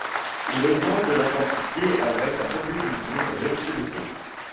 Il augmente d'intensité avec la tombée du jour et l'obscurité.